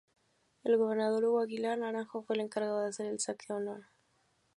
El gobernador Hugo Aguilar Naranjo fue el encargado de hacer el saque de honor.